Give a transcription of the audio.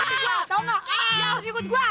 kamu harus pulang kamu harus pulang